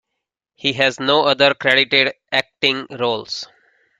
He has no other credited acting roles.